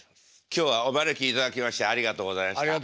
今日はお招きいただきましてありがとうございました。